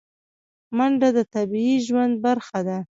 منډه د طبیعي ژوند برخه ده